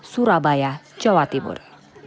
surabaya jawa timur